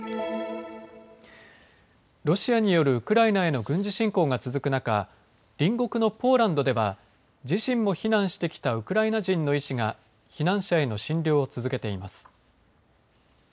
ロシアによるウクライナへの軍事侵攻が続く中、隣国のポーランドでは自身も避難してきたウクライナ人の医師が避難者への診療を続けています。